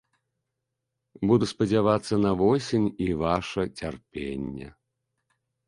Буду спадзявацца на восень і ваша цярпенне.